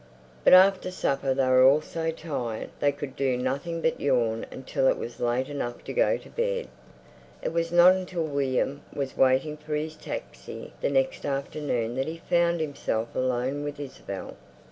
But after supper they were all so tired they could do nothing but yawn until it was late enough to go to bed.... It was not until William was waiting for his taxi the next afternoon that he found himself alone with Isabel.